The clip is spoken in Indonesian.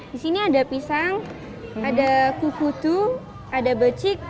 di sini ada pisang ada kukutu ada becik